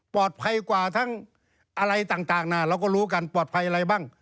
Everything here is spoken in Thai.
กว่าทั้งอะไรต่างนะเราก็รู้กันปลอดภัยอะไรบ้าง